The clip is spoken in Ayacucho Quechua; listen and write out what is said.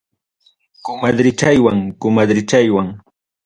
Cumadrichaywan, cumadrichaywan.